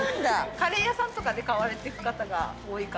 カレー屋さんとかで買われてく方が多いかな。